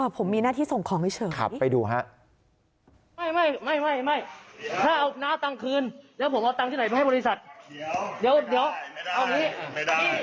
ผมมีหน้าที่ส่งของเฉยครับไปดูครับ